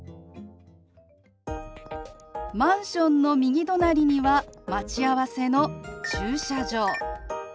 マンションの右隣には待ち合わせの駐車場。